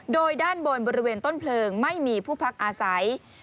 โดยด้านบนบริเวณต้นเพลิงไม่มีผู้พักอาศัย